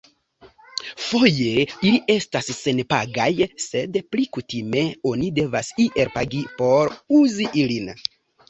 Foje ili estas senpagaj, sed pli kutime oni devas iel pagi por uzi ilin.